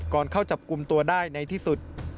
เข้าจับกลุ่มตัวได้ในที่สุด